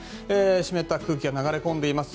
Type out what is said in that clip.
湿った空気が流れ込んでいます。